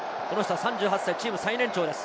３８歳、チーム最年長です。